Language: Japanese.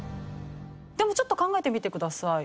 でもちょっと考えてみてください。